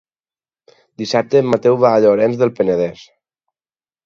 Dissabte en Mateu va a Llorenç del Penedès.